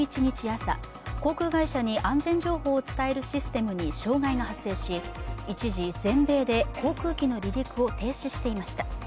朝航空会社に安全情報を伝えるシステムに障害が発生し、一時、全米で航空機の離陸を停止していました。